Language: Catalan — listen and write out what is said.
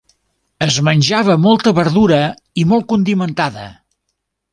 Es menjava molta verdura i molt condimentada.